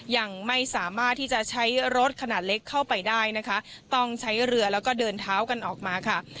ยังไม่สามารถที่จะใช้รถขนาดเล็กเข้าไปได้นะคะต้องใช้เรือแล้วก็เดินเท้ากันออกมาค่ะ